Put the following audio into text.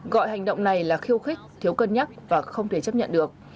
gọi hành động này là khiêu khích thiếu cân nhắc và không thể chấp nhận được